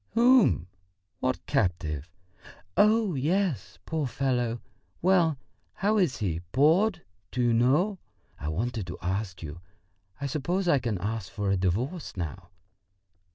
"Whom?... What captive?... Oh, yes! Poor fellow! Well, how is he bored? Do you know ... I wanted to ask you.... I suppose I can ask for a divorce now?"